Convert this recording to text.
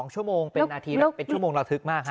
๒ชั่วโมงเป็นนาทีเป็นชั่วโมงระทึกมาก